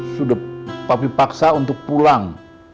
sudah papi paksa untuk pulang